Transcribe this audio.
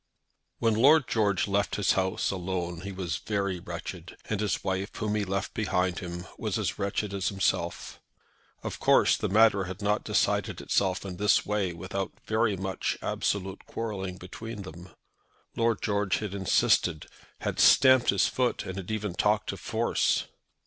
When Lord George left his own house alone he was very wretched, and his wife, whom he left behind him, was as wretched as himself. Of course the matter had not decided itself in this way without very much absolute quarrelling between them. Lord George had insisted, had stamped his foot, and had even talked of force.